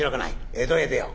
江戸へ出よう』。